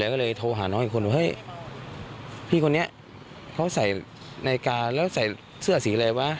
แล้วก็เลยโทรหาน้องอีกคนนี่เขาใส่นายการแล้วใส่เสื้อสีอะไรวะ